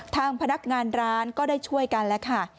ทางพนักงานร้านก็ได้ช่วยกันแล้วค่ะ